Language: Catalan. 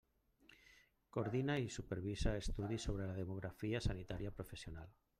Coordina i supervisa estudis sobre demografia sanitària professional.